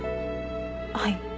はい。